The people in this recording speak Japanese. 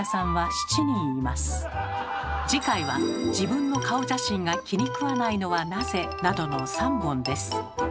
次回は「自分の顔写真が気に食わないのはなぜ？」などの３本です。